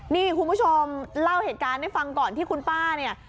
นี่คุณผู้ชมเล่าเหตุการณ์ให้ฟังก่อนที่คุณป้าเนี่ย